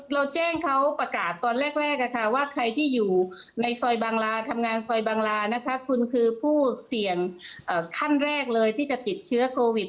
เราแจ้งเขาประกาศตอนแรกว่าใครที่อยู่ในซอยบางลาทำงานซอยบางลานะคะคุณคือผู้เสี่ยงขั้นแรกเลยที่จะติดเชื้อโควิด